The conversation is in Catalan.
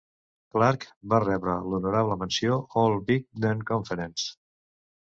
Clark va rebre l'honorable menció All-Big Ten Conference.